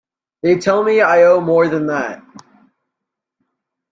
They tell me I owe more than that.